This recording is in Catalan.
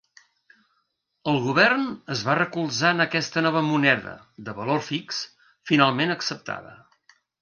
El govern es va recolzar en aquesta nova moneda, de valor fix, finalment acceptada.